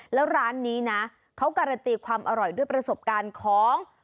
แล้วร้านนี้นะเขาการันตีความอร่อยด้วยประสบการณ์ของ